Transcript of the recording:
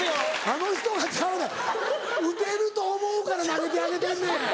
「あの人が」ちゃうねん打てると思うから投げてあげてんねん！